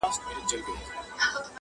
هم د لاس هم يې د سترگي نعمت هېر وو؛